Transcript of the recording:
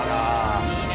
いいね。